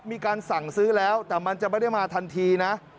มีการสั่งซื้อแล้วแต่มันจะไม่ได้มาทันทีนะ